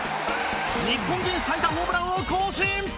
日本人最多ホームランを更新